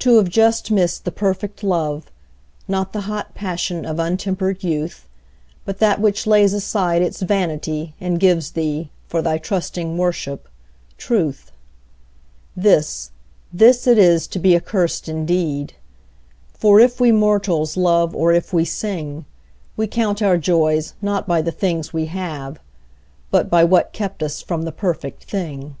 To have just missed the perfect love, Not the hot passion of untempered youth, But that which lays aside its vanity And gives thee, for thy trusting worship, truth This, this it is to be accursed indeed; For if we mortals love, or if we sing, We count our joys not by the things we have, But by what kept us from the perfect thing.